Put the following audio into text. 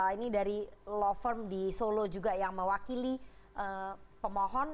ini dari law firm di solo juga yang mewakili pemohon